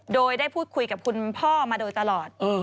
โดยได้พูดคุยกับคุณพ่อมาโดยตลอด